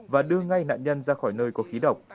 và đưa ngay nạn nhân ra khỏi nơi có khí độc